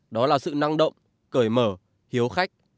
đó là sự năng động cởi mở hiếu khách